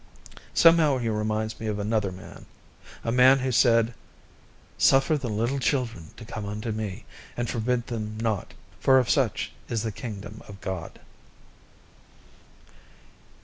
Somehow he reminds me of another man. A man who said: "Suffer the little children to come unto me, and forbid them not; for of such is the kingdom of God."